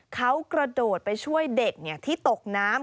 เขากระโดดไปช่วยเด็กที่ตกน้ำ